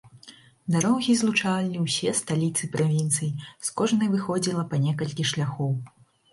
Дарогі злучалі ўсе сталіцы правінцый, з кожнай выходзіла па некалькі шляхоў.